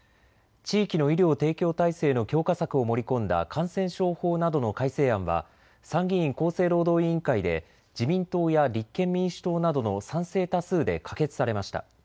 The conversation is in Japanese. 地域の医療提供体制の強化策を盛り込んだ感染症法などの改正案は参議院厚生労働委員会で自民党や立憲民主党などの賛成多数で可決されました。